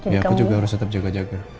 ya aku juga harus tetap jaga jaga